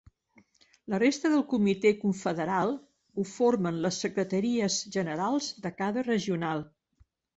La resta del comitè confederal ho formen les secretaries generals de cada regional.